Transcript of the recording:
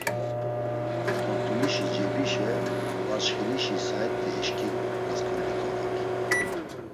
Pont̆ulişi cebişe varçxilişi saet̆i eşǩiğu Rasǩolnikovik.